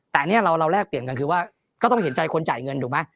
แต่อันนี้เราแลกเปลี่ยนกันคือว่าก็ต้องเห็นใจคนจ่ายเงินถูกไหม